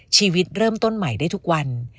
ชีวิตเริ่มต้นใหม่ได้ทุกวัน